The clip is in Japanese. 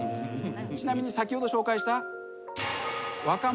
ちなみに先ほど紹介した。